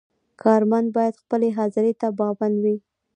کارمند باید خپلې حاضرۍ ته پابند وي.